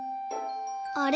あれ？